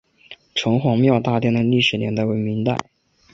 城隍庙大殿的历史年代为明代。